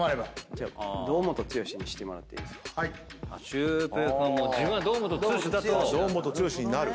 シュウペイ君は自分は堂本剛だと。堂本剛になる。